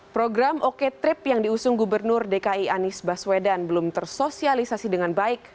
program oke trip yang diusung gubernur dki anies baswedan belum tersosialisasi dengan baik